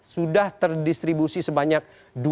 sudah terdistribusi sebanyak dua